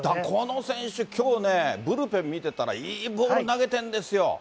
この選手、きょうね、ブルペン見てたらいいボール投げてるんですよ。